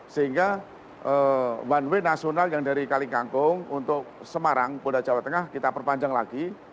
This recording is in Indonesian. sehingga one way nasional yang dari kalingkangkung untuk semarang polda jawa tengah kita perpanjang lagi